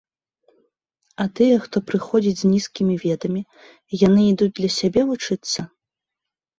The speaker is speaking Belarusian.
А тыя, хто прыходзіць з нізкімі ведамі, яны ідуць для сябе вучыцца?